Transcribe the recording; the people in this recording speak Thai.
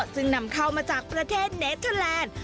ซึ่งนำเข้ามาจากประเทศเนเทอร์แลนด์